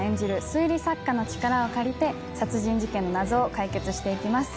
推理作家の力を借りて殺人事件の謎を解決して行きます。